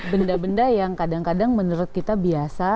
benda benda yang kadang kadang menurut kita biasa